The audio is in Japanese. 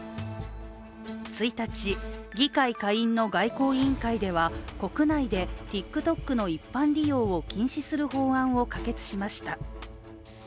１日、議会下院の外交委員会では国内でＴｉｋＴｏｋの一般利用を禁止する法案を可決しました。